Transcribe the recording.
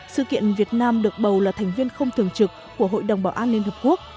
sự kiện việt nam được bầu là thành viên không thường trực của hội đồng bảo an liên hợp quốc